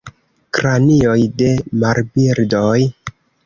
Kranioj de marbirdoj.